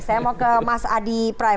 oke saya mau ke mas adiprai